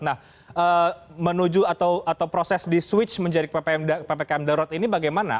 nah menuju atau proses di switch menjadi ppkm darurat ini bagaimana